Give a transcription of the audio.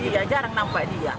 iya jarang nampak dia